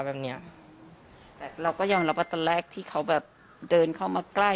แบบเนี้ยแต่เราก็ยอมรับว่าตอนแรกที่เขาแบบเดินเข้ามาใกล้